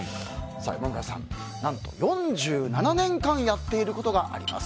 山村さん、何と４７年間やっていることがあります。